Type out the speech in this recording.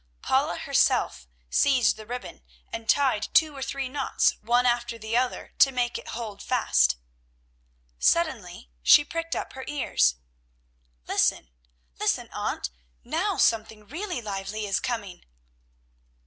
Paula herself seized the ribbon, and tied two or three knots one after the other, to make it hold fast. Suddenly she pricked up her ears: "Listen, listen, Aunt, now something really lively is coming."